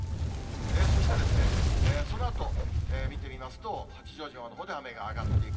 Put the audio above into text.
そしてそのあと、見てみますと、八丈島のほうでは雨が上がっていく。